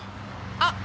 あっ！